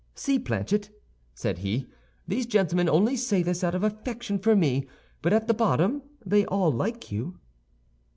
"See, Planchet," said he, "these gentlemen only say this out of affection for me, but at bottom they all like you."